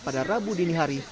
pada rabu dini hari